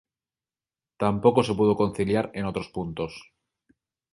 Tampoco se pudo conciliar en otros puntos.